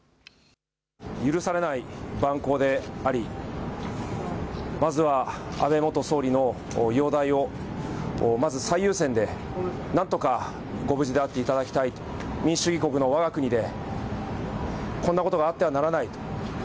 許されない蛮行でありまずは安倍元総理の容体をまず最優先でなんとかご無事であっていただきたいと民主主義国のわが国でこんなことがあってはならない。